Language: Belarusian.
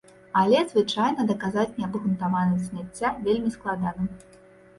Але звычайна даказаць неабгрунтаванасць зняцця вельмі складана.